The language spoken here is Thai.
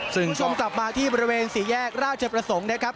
ซึ่งชมกลับมาที่บริเวณสี่แยกราชประสงค์นะครับ